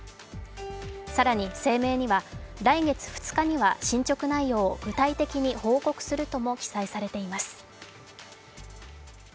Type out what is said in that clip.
更に声明には、来月２日には進捗内容を具体的に報告するとも記載されています。